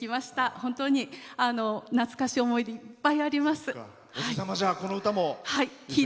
本当に懐かしい思い出いっぱいあります。